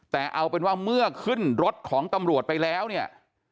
แต่เอาเป็นว่าเมื่อขึ้นรถของตำรวจไปแล้วเนี่ย